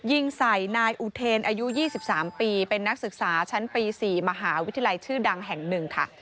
ยิงใส่นายอุเทนอายุ๒๓ปีเป็นนักศึกษาชั้นปี๔มหาวิทยาลัยชื่อดังแห่งหนึ่งค่ะ